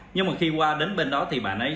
nhưng mà khi qua đến bên đó thì bạn ấy